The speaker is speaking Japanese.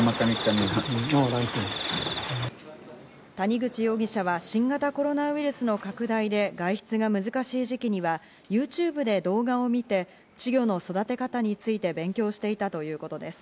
谷口容疑者は新型コロナウイルスの拡大で外出が難しい時期には、ＹｏｕＴｕｂｅで動画を見て、稚魚の育て方について勉強していたということです。